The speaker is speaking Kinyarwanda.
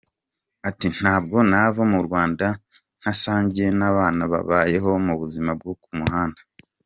Ati “Ntabwo nava mu Rwanda ntasangiye n’abana babayeho mu buzima bwo ku muhanda.